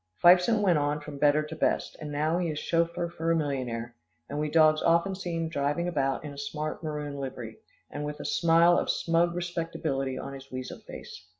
Fifeson went on from better to best, and now he is chauffeur for a millionaire, and we dogs often see him driving about in a smart maroon livery, and with a smile of smug respectability on his weasel face.